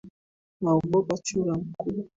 Naogopa chura mkubwa.